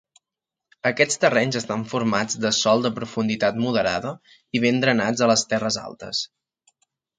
Aquests terrenys estan formats de sòl de profunditat moderada i ben drenats a les terres altes.